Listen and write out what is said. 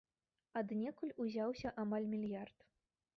Аднекуль узяўся амаль мільярд!